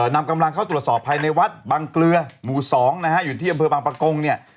นำกำลังเข้าตรวจสอบภายในวัดบางเกลือหมู่๒นะฮะอยู่ที่อำเภอบางประกงเนี่ย